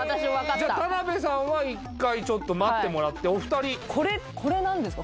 じゃ田辺さんは一回ちょっと待ってもらってお二人これ何ですか？